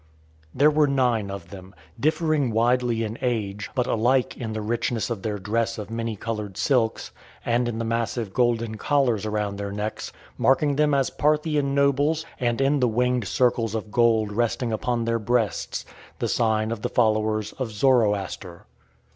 There were nine of the men, differing widely in age, but alike in the richness of their dress of many coloured silks, and in the massive golden collars around their necks, marking them as Parthian nobles, and in the winged circles of gold resting upon their breasts, the sign of the followers of Zoroaster.